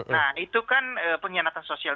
nah itu kan pengkhianatan sosial